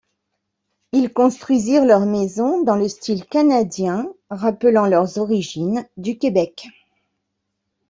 Ils construisirent leurs maisons dans le style canadien rappelant leurs origines du Québec.